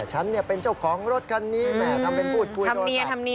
ฉันเป็นเจ้าของรถคันนี้แหมทำเป็นพูดคุยโดนค่ะ